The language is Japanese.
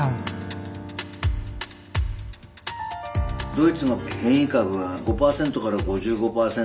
ドイツの変異株が５％から５５％。